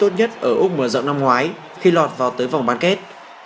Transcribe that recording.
raunich là những người đã thành công tích tốt nhất ở úc mở rộng năm ngoái khi lọt vào tới vòng ban kết